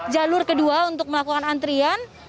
jalur kedua untuk melakukan antrian